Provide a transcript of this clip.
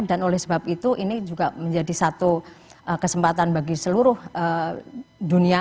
dan oleh sebab itu ini juga menjadi satu kesempatan bagi seluruh dunia